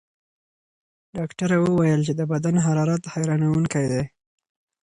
ډاکټره وویل چې د بدن حرارت حیرانوونکی دی.